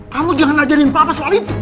kamu jangan ajarin papa soal itu